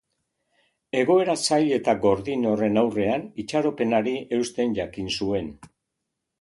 Egoera zail eta gordin horren aurrean itxaropenari eusten jakin zuen.